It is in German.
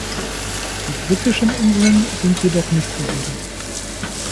Die britischen Inseln sind jedoch nicht besiedelt.